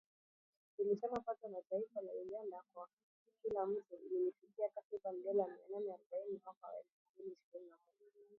Ilisema pato la taifa la Uganda kwa kila mtu lilifikia takriban dola mia nane arobaini mwaka wa elfu mbili ishirini na moja